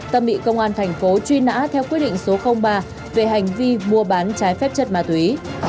tâm bị công an thành phố truy nã theo quyết định số ba về hành vi mua bán trái phép chất ma túy